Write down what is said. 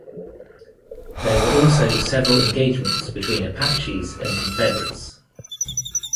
There were also several engagements between Apaches and Confederates.